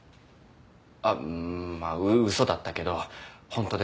あっまあうっ嘘だったけどホントです。